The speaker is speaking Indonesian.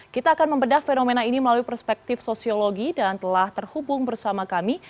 kita akan membedah fenomena ini melalui perspektif sosiologi dan telah terhubung bersama kami